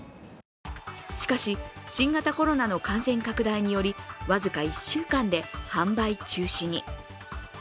しかし、新型コロナの感染拡大により、僅か１週間で販売中止に。